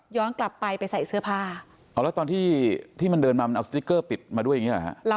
ย้อนกลับไปใส่เสื้อผ้าแล้วตอนที่มันเดินมามันเอาสติ๊กเกอร์ปิดมาด้วยอย่างนี้หรอคะ